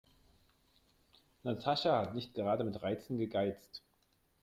Natascha hat nicht gerade mit Reizen gegeizt.